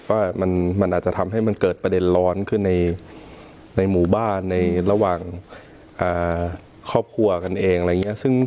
ว่ามันอาจจะทำให้มันเกิดประเด็นร้อนขึ้นในหมู่บ้านในระหว่างครอบครัวกันเองอะไรอย่างนี้